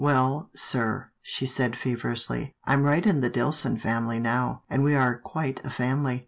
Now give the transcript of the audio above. " Well, sir," she said feverishly, " I'm right in the Dillson family now, and we are quite a family.